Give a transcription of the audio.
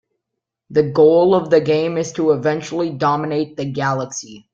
The goal of the game is to eventually dominate the galaxy.